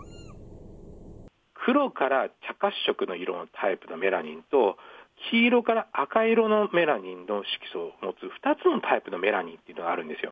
黒から茶褐色のタイプのメラニンと、黄色から赤色のメラニンの色素を持つ、２つのタイプのメラニンというのがあるんですよ。